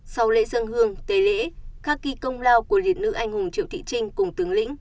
sau lễ dân hương tế lễ khắc ghi công lao của liệt nữ anh hùng triệu thị trinh cùng tướng lĩnh